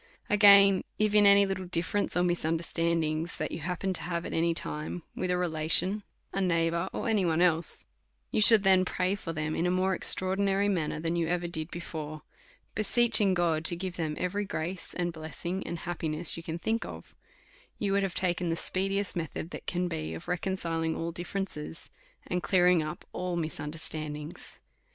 Again ; If any little difierence or misunderstandings that you happened to have at any time with a relation, a neighbour, or any one else, you should then pray for them in a more extraordinary manner than you ever did before, beseeching God to give them every grace, and blessing, and happiness you can think of, you would have taken the speediest method that can be, of reconciling all dilferences, and clearing up all misunderstandings.